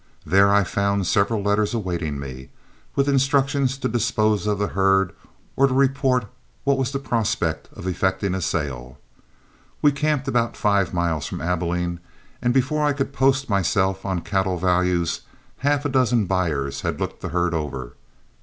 There I found several letters awaiting me, with instructions to dispose of the herd or to report what was the prospect of effecting a sale. We camped about five miles from Abilene, and before I could post myself on cattle values half a dozen buyers had looked the herd over.